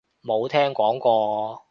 冇聽講過